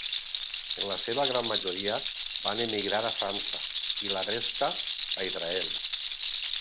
En la seva gran majoria van emigrar a França i la resta a Israel.